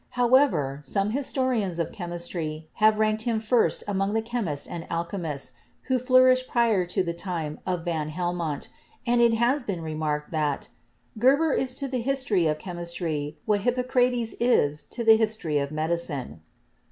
How ever, some historians of chemistry have ranked him first among the chemists and alchemists who flourished prior to the time of van Helmont, and it has been remarked that "Geber is to the history of chemistry what Hippocrates is to the history of medicine."